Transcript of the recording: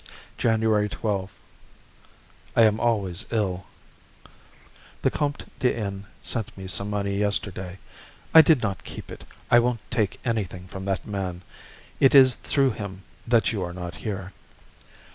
January 12. I am always ill. The Comte de N. sent me some money yesterday. I did not keep it. I won't take anything from that man. It is through him that you are not here.